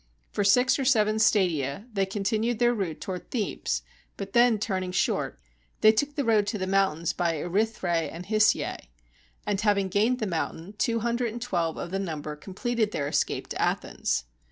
For six or seven stadia, they continued their route towards Thebes, but then turning short, they took the 163 GREECE road to the mountains by Erythrae and Hysiae; and having gained the mountain, two hundred and twelve of the number completed their escape to Athens.